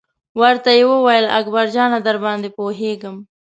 ورته یې وویل: اکبر جانه درباندې پوهېږم.